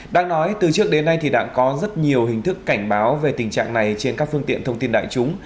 đang nói từ trước đến nay thì đã có rất nhiều hình thức cảnh báo về tình trạng này trên các phương tiện thông tin đại chúng